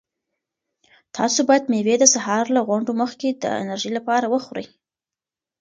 تاسو باید مېوې د سهار له غونډو مخکې د انرژۍ لپاره وخورئ.